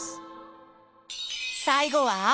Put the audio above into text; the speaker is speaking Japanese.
最後は？